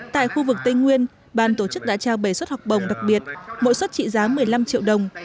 tại khu vực tây nguyên ban tổ chức đã trao bảy suất học bổng đặc biệt mỗi suất trị giá một mươi năm triệu đồng